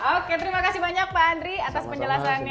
oke terima kasih banyak pak andri atas penjelasannya